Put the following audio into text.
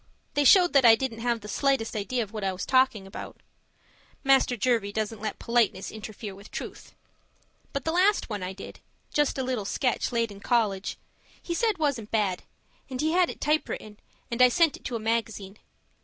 They showed that I didn't have the slightest idea of what I was talking about. (Master Jervie doesn't let politeness interfere with truth.) But the last one I did just a little sketch laid in college he said wasn't bad; and he had it typewritten, and I sent it to a magazine.